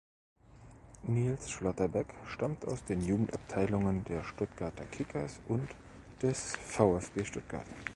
Niels Schlotterbeck stammt aus den Jugendabteilungen der Stuttgarter Kickers und des VfB Stuttgart.